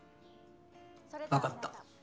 分かった。